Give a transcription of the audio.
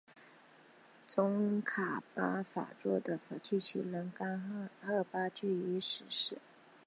宗喀巴法座的继承人甘丹赤巴即居于此寺。